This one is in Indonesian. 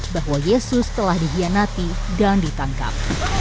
bahwa yesus telah dihianati dan ditangkap